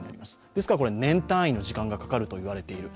ですから年単位の時間がかかるといわれている。